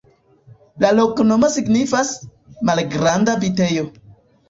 La loknomo signifas: malgranda vitejo.